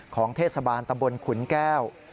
ของเทศบาลตำบลขุนแก้ว